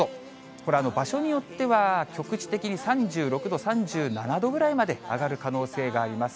これ、場所によっては局地的に３６度、３７度ぐらいまで上がる可能性があります。